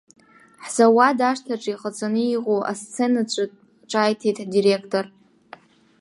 Ҳзауад ашҭаҿы иҟаҵаны иҟоу асценаҿынтә ҿааиҭит ҳдиреқтор.